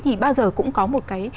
thì bao giờ cũng có một cái